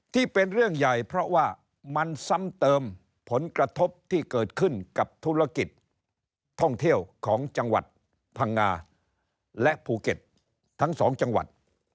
ที่เป็นเรื่องใหญ่เพราะว่ามันซ้ำเติมผลกระทบที่เกิดขึ้นกับธุรกิจท่องเที่ยวของจังหวัดพังงาและภูเก็ตทั้งสองจังหวัด